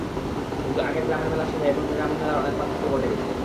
কিন্তু আগের গ্রামের মেলার সঙ্গে এখনকার গ্রামীণ মেলার অনেক পার্থক্য ঘটে গেছে।